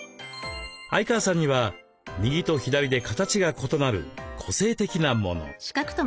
相川さんには右と左で形が異なる個性的なもの。